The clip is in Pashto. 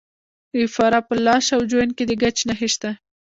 د فراه په لاش او جوین کې د ګچ نښې شته.